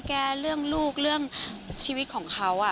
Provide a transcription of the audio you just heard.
เรื่องลูกเรื่องชีวิตของเขา